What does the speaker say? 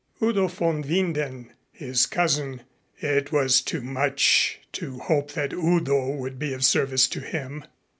Udo von Winden, his cousin It was too much to hope that Udo would be of service to him.